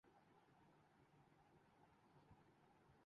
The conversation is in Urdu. علم طبیعی کا ایک بنیادی شعبہ ہے